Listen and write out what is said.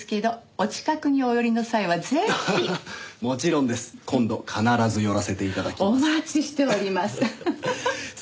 お待ちしております。